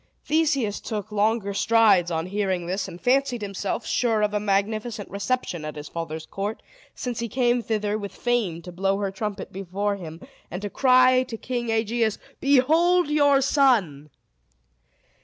Theseus took longer strides on hearing this, and fancied himself sure of a magnificent reception at his father's court, since he came thither with Fame to blow her trumpet before him, and cry to King Aegeus, "Behold your son!"